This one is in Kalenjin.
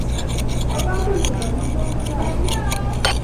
po kamanut amitwogikap karon